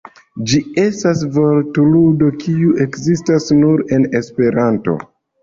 Ĝi estas vortludo kiu ekzistas nur en Esperanto.